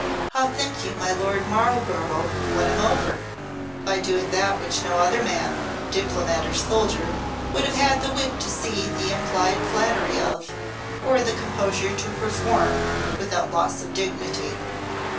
How think you my Lord Marlborough won him over? By doing that which no other man diplomat or soldier would have had the wit to see the implied flattery of, or the composure to perform without loss of dignity.